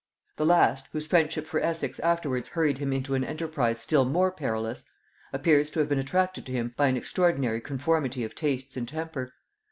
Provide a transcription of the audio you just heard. The last, whose friendship for Essex afterwards hurried him into an enterprise still more perilous, appears to have been attracted to him by an extraordinary conformity of tastes and temper.